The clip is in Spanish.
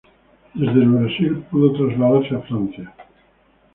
Desde el Brasil pudo trasladarse a Francia.